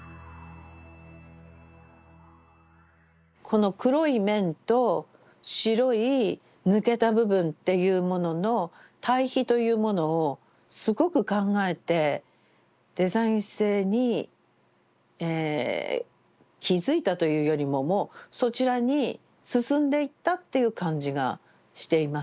この黒い面と白い抜けた部分っていうものの対比というものをすごく考えてデザイン性に気付いたというよりももうそちらに進んでいったっていう感じがしています。